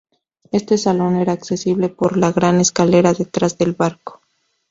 Este salón era accesible por la Gran Escalera detrás del barco.